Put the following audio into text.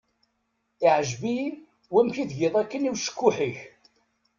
Iεǧeb-iyi wamek i tgiḍ akken i ucekkuḥ-ik.